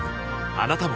あなたも